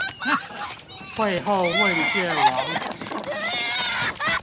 會後問卷網址